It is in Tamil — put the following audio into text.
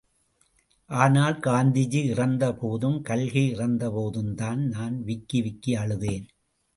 ஆனால் காந்திஜி இறந்த போதும் கல்கி இறந்தபோதும்தான் நான் விக்கி, விக்கி அழுதேன்.